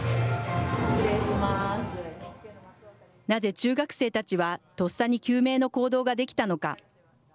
なぜ中学生たちはとっさに救命の行動ができたのか。